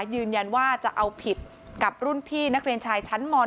ยืนยันว่าจะเอาผิดกับรุ่นพี่นักเรียนชายชั้นม๑